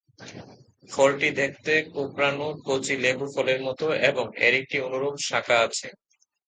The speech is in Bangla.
ফলটি দেখতে কোঁকড়ানো কচি লেবু ফলের মতো এবং এর একটি অনুরূপ শাখা আছে।